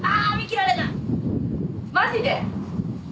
マジで？